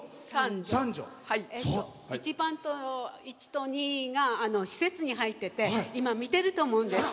１と２が施設に入ってて今見てると思うんです。